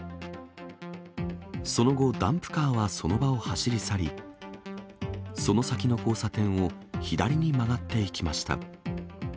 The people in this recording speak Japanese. その後、ダンプカーはその場を走り去り、その先の交差点を左に曲がっていきました。